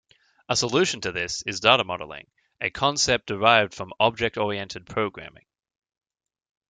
A solution to this is data modeling, a concept derived from object oriented programming.